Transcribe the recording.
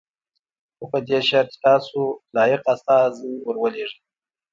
خو په دې شرط چې تاسو لایق استازی ور ولېږئ.